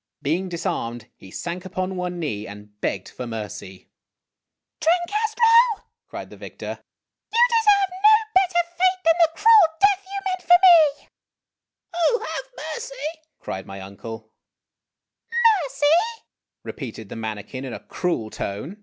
Being disarmed, he sank upon one knee and begged for mercy. " Trancastro !" cried the victor, " you deserve no better fate than the cruel death you meant for me !"" Oh, have mercy !" cried my uncle. "Mercy?"